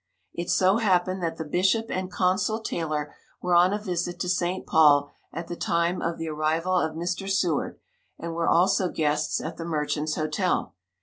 It so happened that the bishop and Consul Taylor were on a visit to St. Paul at the time of the arrival of Mr. Seward, and were also guests at the Merchant's Hotel.